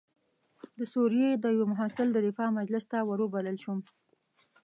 د سوریې د یوه محصل د دفاع مجلس ته وربلل شوی وم.